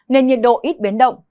nền nhiệt độ ít biến đông